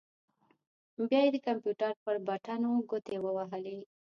بيا يې د کمپيوټر پر بټنو ګوتې ووهلې.